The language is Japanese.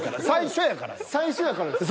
最初やからですか？